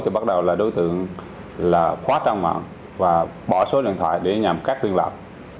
thì bắt đầu là đối tượng là khóa trang mạng và bỏ số điện thoại để nhằm cắt liên lạc